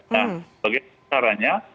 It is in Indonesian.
nah bagaimana caranya